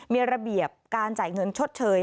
มีระเบียบการจ่ายเงินชดเชย